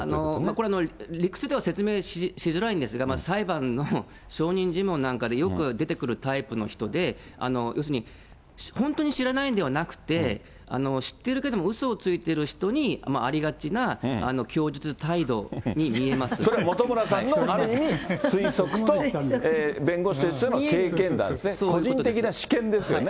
これは理屈では説明しづらいんですが、裁判の証人尋問なんかでよく出てくるタイプの人で、要するに、本当に知らないんではなくて、知ってるけれどもうそをついている人にありがちな供述態度に見えそれは本村さんの推測、弁護そういうことです。